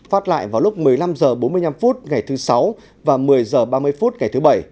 phát lại vào lúc một mươi năm h bốn mươi năm ngày thứ sáu và một mươi h ba mươi phút ngày thứ bảy